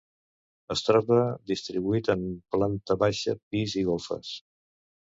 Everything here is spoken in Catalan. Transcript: Es troba distribuït en planta baixa, pis i golfes.